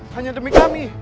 hanya demi kami